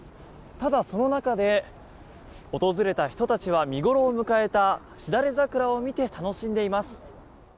ただ、その中で訪れた人たちは見頃を迎えたシダレザクラを見て楽しんでいます。